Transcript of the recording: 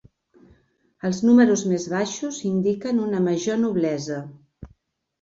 Els números més baixos indiquen una major noblesa.